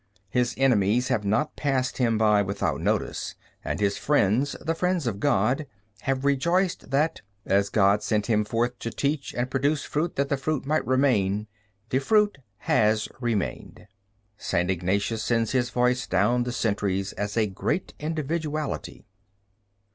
His enemies have not passed him by without notice, and his friends, the friends of God, have rejoiced that, as God sent him forth to teach and produce fruit that the fruit might remain, the fruit has remained. St. Ignatius sends his voice down the centuries as a great individuality.